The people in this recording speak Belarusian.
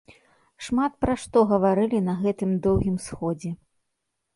Шмат пра што гаварылі на гэтым доўгім сходзе.